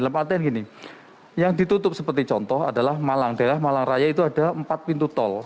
lemparten gini yang ditutup seperti contoh adalah malang daerah malang raya itu ada empat pintu tol